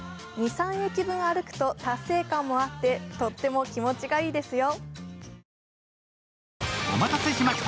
２３駅分歩くと達成感もあってとっても気持ちがいいですよ。